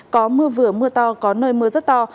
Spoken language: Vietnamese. có mưa vừa mưa to có nơi mưa rất to